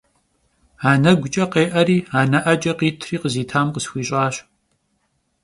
Aneguç'e khê'eri, ane'eç'e khitri khızitam khısxuiş'aş.